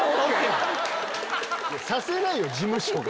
⁉させないよ事務所が。